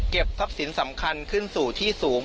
ทรัพย์สินสำคัญขึ้นสู่ที่สูง